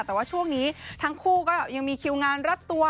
แต่ว่าช่วงนี้ทั้งคู่ก็ยังมีคิวงานรัดตัว